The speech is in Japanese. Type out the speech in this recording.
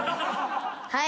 はい。